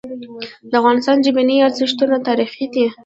د افغانستان ژبني ارزښتونه تاریخي دي.